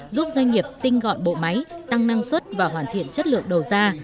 giúp doanh nghiệp tinh gọn bộ máy tăng năng suất và hoàn thiện chất lượng đầu ra